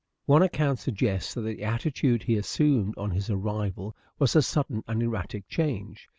One account suggests that the attitude he assumed on his arrival was a sudden and erratic change.